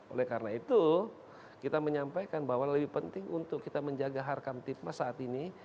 oleh karena itu kita menyampaikan bahwa lebih penting untuk kita menjaga harkam tipmas saat ini